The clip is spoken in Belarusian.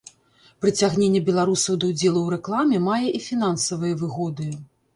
Прыцягненне беларусаў да ўдзелу ў рэкламе мае і фінансавыя выгоды.